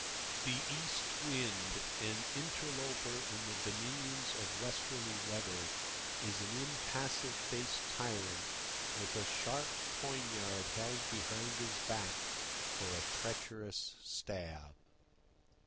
The East Wind, an interloper in the dominions of Westerly weather, is an impassive faced tyrant with a sharp poniard held behind his back for a treacherous stab.